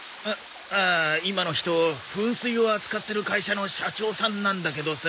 あああ今の人噴水を扱ってる会社の社長さんなんだけどさ。